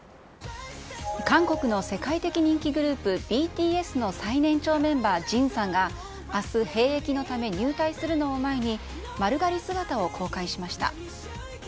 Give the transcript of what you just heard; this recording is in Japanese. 韓国の世界的人気グループ、ＢＴＳの最年長メンバー、ＪＩＮさんが、あす、兵役のため、入隊するのを前に、丸刈り姿を公開しました。